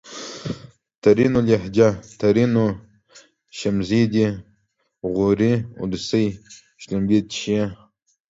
ترينو لهجه ! ترينو : شمزې دي غورې اولسۍ :شلومبې چښې